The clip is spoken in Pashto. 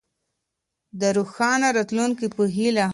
د روښانه راتلونکي په هيله.